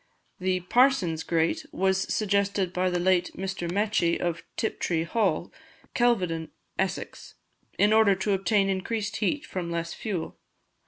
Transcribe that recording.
The "Parson's" grate was suggested by the late Mr. Mechi, of Tiptree Hall, Kelvedon, Essex, in order to obtain increased heat from less fuel.